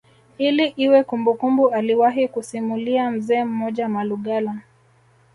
Ili iwe kumbukumbu aliwahi kusimulia mzee mmoja Malugala